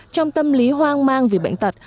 trong tâm lý hoang mang vì bệnh tật